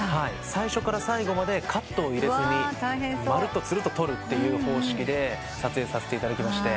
最初から最後までカットを入れずにまるっとつるっと撮るって方式で撮影させていただいて。